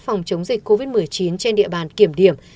phòng chống dịch covid một mươi chín trên địa bàn kiểm điểm